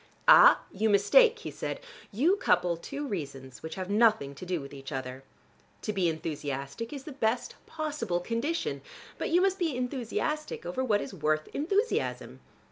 "Ah, you mistake!" he said. "You couple two reasons which have nothing to do with each other. To be enthusiastic is the best possible condition, but you must be enthusiastic over what is worth enthusiasm.